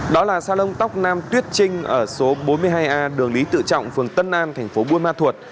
đó là salon tóc nam tuyết trinh ở số bốn mươi hai a đường lý tự trọng phường tân an thành phố buôn ma thuột